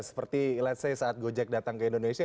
seperti let's say saat gojek datang ke indonesia